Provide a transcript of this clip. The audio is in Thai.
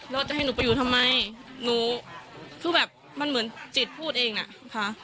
แล้วจะให้หนูไปอยู่ทำไมหนูคือแบบมันเหมือนจิตพูดเองน่ะค่ะ